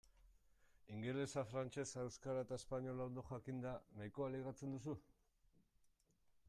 Ingelesa, frantsesa, euskara eta espainola ondo jakinda nahikoa ligatzen duzu?